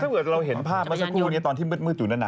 ถ้าเกิดเราเห็นภาพเมื่อสัปดาห์ครู่ตอนที่มืดอยู่นั่น